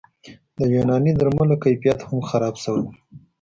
د یوناني درملو کیفیت هم خراب شوی